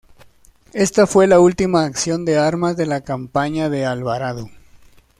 Esta fue la última acción de armas de la campaña de Alvarado.